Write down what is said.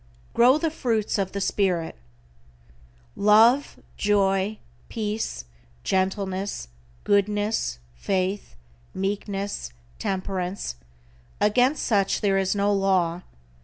=GROW THE FRUITS OF THE SPIRIT:= Love, Joy, Peace, Gentleness, Goodness, Faith, Meekness, Temperance, against such there is no law.